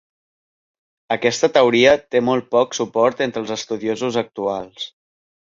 Aquesta teoria té molt poc suport entre els estudiosos actuals.